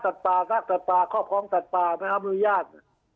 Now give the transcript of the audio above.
สัตว์ป่าสร้างสัตว์ป่าครอบครองสัตว์ป่านะครับมือญาต